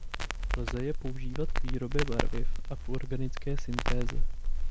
Lze je používat k výrobě barviv a v organické syntéze.